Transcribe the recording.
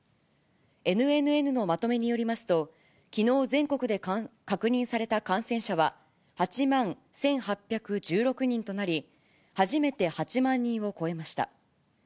ＮＮＮのまとめによりますと、きのう全国で確認された感染者は、８万１８１６人となり、初めて８万人を超えました。